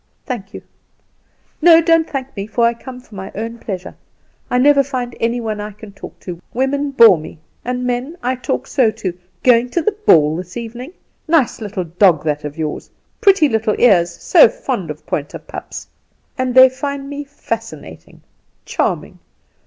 "Thank you." "No, don't thank me; I come for my own pleasure. I never find any one I can talk to. Women bore me, and men, I talk so to 'Going to the ball this evening? Nice little dog that of yours. Pretty little ears. So fond of pointer pups!' And they think me fascinating, charming!